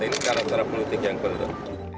ini secara politik yang penuh